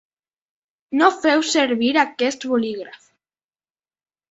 No feu servir aquest bolígraf.